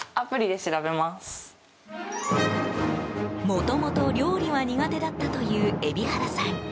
もともと、料理は苦手だったという海老原さん。